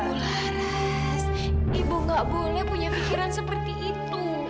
mula raz ibu nggak boleh punya pikiran seperti itu